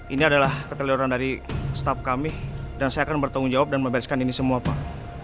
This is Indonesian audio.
ini adalah keteliran dari staff kami dan saya akan bertanggung jawab dan membebaskan ini semua pak